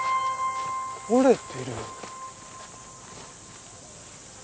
折れてる。